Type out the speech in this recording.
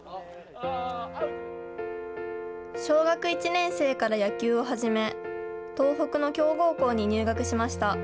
小学１年生から野球を始め、東北の強豪校に入学しました。